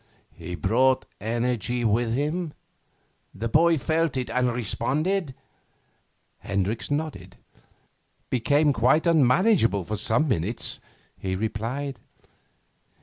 'He brought energy with him? The boy felt it and responded?' Hendricks nodded. 'Became quite unmanageable for some minutes,' he replied.